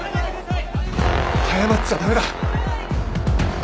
早まっちゃ駄目だ。